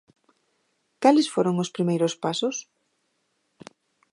Cales foron os primeiros pasos?